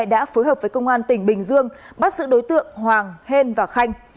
đã phối hợp với công an tỉnh bình dương bắt giữ đối tượng hoàng hên và khanh